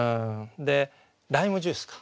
ライムジュースか。